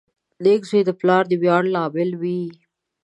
• نېک زوی د پلار د ویاړ لامل وي.